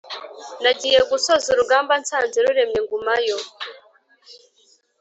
Nagiye gusoza urugamba nsanze ruremye ngumayo,